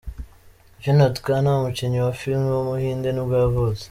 Vinod Khanna, umukinnyi wa film w’umuhinde nibwo yavutse.